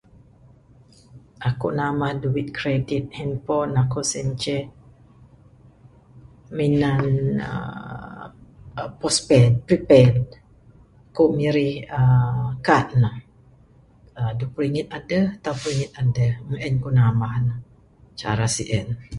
Aku nambah duit kredit handphone aku sien ceh minan uhh postpaid, prepaid...ku mirih uhh kad ne...duweh puru ringgit adeh, taruh puru ringgit adeh...meng en ku nambah ne cara sien.